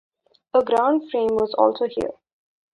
A ground frame was also here.